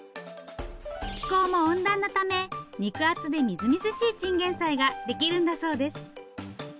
気候も温暖なため肉厚でみずみずしいチンゲンサイができるんだそうです。